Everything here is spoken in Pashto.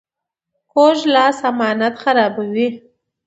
کوږ لاس امانت خرابوي